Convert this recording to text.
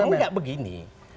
oh enggak begini